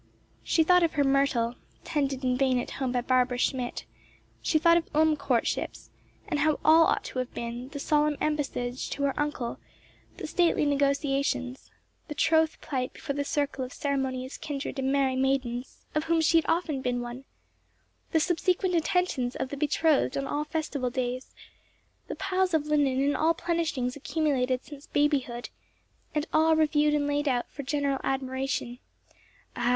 She thought of her myrtle, tended in vain at home by Barbara Schmidt; she thought of Ulm courtships, and how all ought to have been; the solemn embassage to her uncle, the stately negotiations; the troth plight before the circle of ceremonious kindred and merry maidens, of whom she had often been one—the subsequent attentions of the betrothed on all festival days, the piles of linen and all plenishings accumulated since babyhood, and all reviewed and laid out for general admiration (Ah!